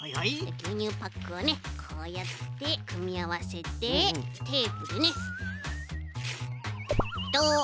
ぎゅうにゅうパックをねこうやってくみあわせてテープでねペトッ。